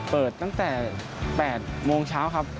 เปิดตั้งแต่๘โมงเช้าครับ